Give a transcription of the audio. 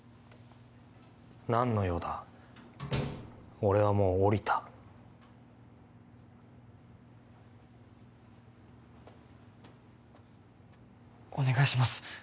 何の用だ俺はもう降りたお願いします